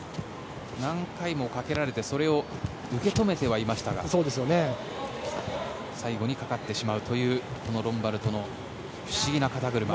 何回もかけられてそれを受け止めてはいましたが最後にかかってしまうというこのロンバルドの不思議な肩車。